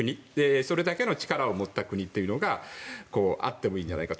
それだけの力を持った国というのがあってもいいんじゃないかと。